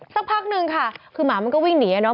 สักพักหนึ่งค่ะคือหมามันก็วิ่งหนีอ่ะเนอะ